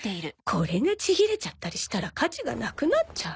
これがちぎれちゃったりしたら価値がなくなっちゃう